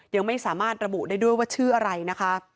ยังไม่สามารถระบุได้ด้วยว่าชื่ออะไรนะคะ